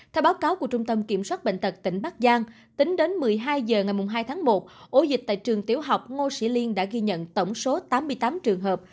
theo báo cáo của trung tâm kiểm soát bệnh tật tỉnh bắc giang tính đến một mươi hai h ngày hai tháng một ổ dịch tại trường tiểu học ngô sĩ liên đã ghi nhận tổng số tám mươi tám trường hợp